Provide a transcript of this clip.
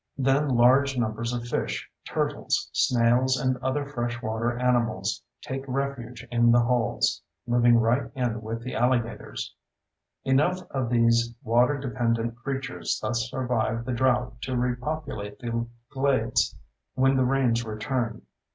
Then large numbers of fish, turtles, snails, and other fresh water animals take refuge in the holes, moving right in with the alligators. Enough of these water dependent creatures thus survive the drought to repopulate the glades when the rains return.